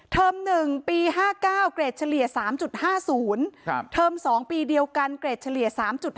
๑ปี๕๙เกรดเฉลี่ย๓๕๐เทอม๒ปีเดียวกันเกรดเฉลี่ย๓๕